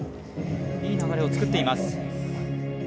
いい流れを作っています。